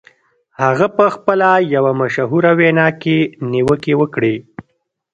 هغه په خپله یوه مشهوره وینا کې نیوکې وکړې